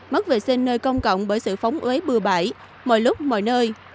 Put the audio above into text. mất vệ sinh nơi công cộng bởi sự phóng ế bừa bãi mọi lúc mọi nơi